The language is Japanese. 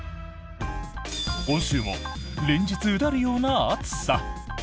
今週も連日、うだるような暑さ。